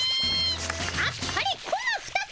あっぱれコマ２つ。